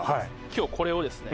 今日これをですね